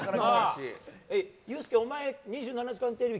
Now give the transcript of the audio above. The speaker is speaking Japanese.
ユースケ、お前「２７時間テレビ」